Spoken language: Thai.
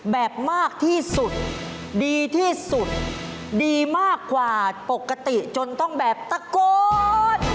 แบบมากที่สุดดีที่สุดดีมากกว่าปกติจนต้องแบบตะโกน